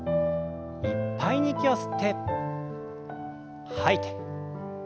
いっぱいに息を吸って吐いて。